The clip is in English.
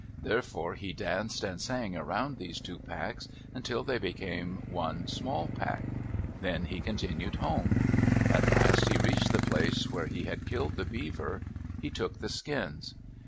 Therefore he danced and sang around these two packs until they became one small pack. Then he continued home. At last he reached the place where he had killed the beaver. He took the skins.